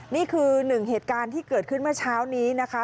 นี่คือหนึ่งเหตุการณ์ที่เกิดขึ้นเมื่อเช้านี้นะคะ